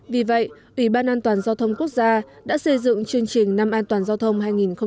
vì vậy ủy ban an toàn giao thông quốc gia đã xây dựng chương trình năm an toàn giao thông hai nghìn một mươi chín